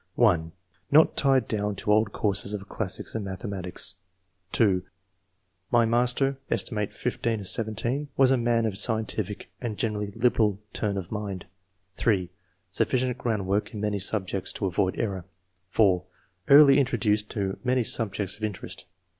(1) " Not tied down to old courses of classics and mathematics." (2) " My master (set. 1 6 1 7) was a man of scientific and generally liberal turn of mind." (3) " Sufficient groundwork in many subjects to avoid error/' (4) "Early introduced to many subjects of interest."